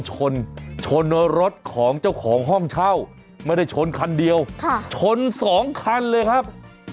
ชนชนรถของเจ้าของห้องเช่าไม่ได้ชนคันเดียวชนสองคันเลยครับ